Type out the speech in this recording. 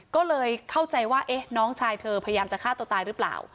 ก็เลยเข้าใจว่าน้องชายเธอพยายามจะฆ่าตัวตายหรือเปล่า